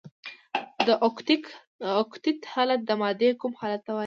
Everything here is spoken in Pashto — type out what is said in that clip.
د اوکتیت حالت د مادې کوم حال ته وايي؟